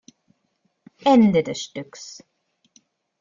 Ende des Stücks.